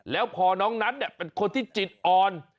แล้วพอน้องนัทเป็นคนที่จิตอ่อน